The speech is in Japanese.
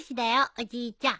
おじいちゃん。